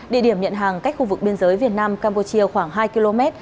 địa điểm nhận hàng cách khu vực biên giới việt nam campuchia khoảng hai km